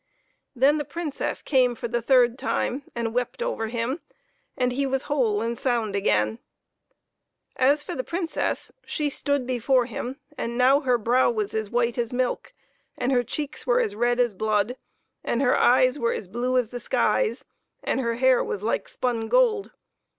Then the Princess came for the third time and wept over him, and he was whole and sound again. As for the Princess, she stood before him, and now her brow was as white as milk, and her cheeks were as red as blood, and her eyes were as blue as the skies, and her hair was like spun gold.